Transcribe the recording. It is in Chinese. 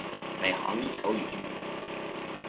每行一条语句